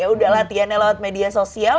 udah latihannya lewat media sosial